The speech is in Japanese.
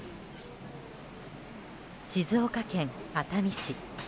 静岡県熱海市。